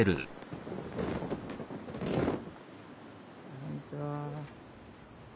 こんにちは。